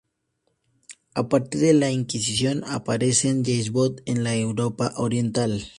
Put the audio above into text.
A partir de la inquisición aparecen yeshivot en la Europa Oriental.